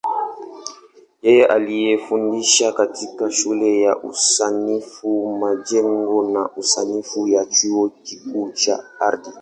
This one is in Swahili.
Yeye alifundisha katika Shule ya Usanifu Majengo na Usanifu wa Chuo Kikuu cha Ardhi.